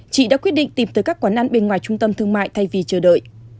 chị đã quyết định tìm tới các quán ăn bên ngoài trung tâm thương mại thay vì chờ đợi